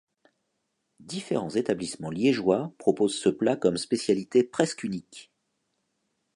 Différents établissements liégeois proposent ce plat comme spécialité presque unique.